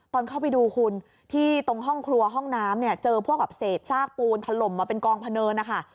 ตอนเข้าไปดูคุณที่ตรงห้องครัวห้องน้ำเนี่ยเจอพวกแบบเศษซากปูนถล่มมาเป็นกองพะเนินนะคะ